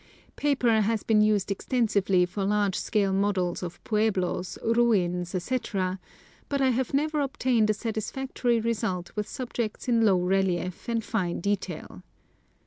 Paper has been used extensively for large scale models of pueblos, ruins, etc., but I have never obtained a satisfactory result with subjects in low relief and fine detail.